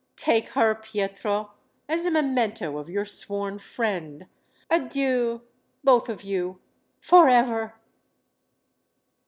Take her, Pietro, as a memento of your sworn friend. Adieu, both of you forever!"